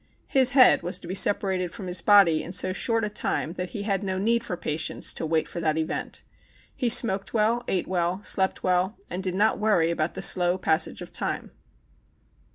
His head was to be separated from his body in so short a time that he had no need for patience to wait for that event. He smoked well, ate well, slept well, and did not worry about the slow passage of time.